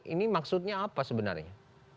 ini maksudnya apa sebenarnya